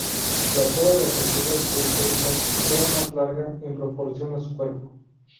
La cola de las tortugas prehistóricas era más larga en proporción a su cuerpo.